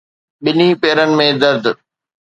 ٻنهي پيرن ۾ درد